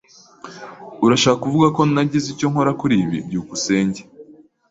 Urashaka kuvuga ko nagize icyo nkora kuri ibi? byukusenge